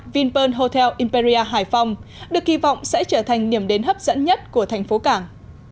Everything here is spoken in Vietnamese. vinpearl hotel imperia hải phòng được kỳ vọng sẽ trở thành điểm đến hấp dẫn nhất của thành phố cảng